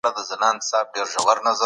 نهه تر لسو لږ دي.